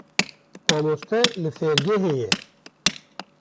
Mamoste li fêrgehê ye.